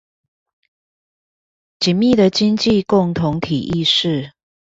緊密的經濟共同體意識